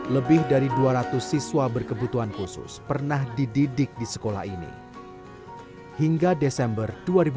lebih dari dua ratus siswa berkebutuhan khusus pernah dididik di sekolah ini hingga desember dua ribu dua puluh